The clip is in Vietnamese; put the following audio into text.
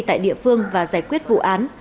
tại địa phương và giải quyết vụ án